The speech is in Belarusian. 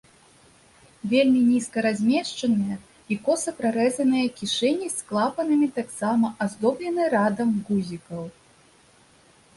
Вельмі нізка размешчаныя і коса прарэзаныя кішэні з клапанамі таксама аздоблены радам гузікаў.